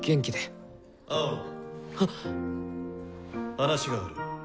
話がある。